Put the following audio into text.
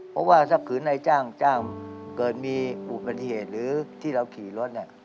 เพราะว่าสักครู่นายจ้างเกิดมีอุปนิเหตุหรือที่เราขี่รถเนี่ย